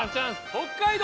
北海道！